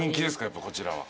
やっぱこちらは。